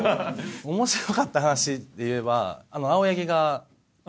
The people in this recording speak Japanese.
面白かった話でいえば。